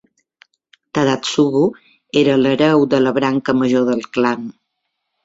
Tadatsugu era l'hereu de la branca major del clan.